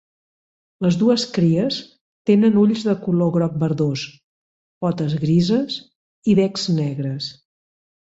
Les dues cries tenen ulls de color groc verdós, potes grises i becs negres.